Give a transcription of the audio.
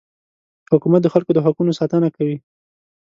حکومت د خلکو د حقونو ساتنه کوي.